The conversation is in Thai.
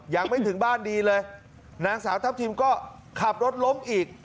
ยังไม่ถึงบ้านดีเลยนางสาวทัพทิมก็ขับรถล้มอีก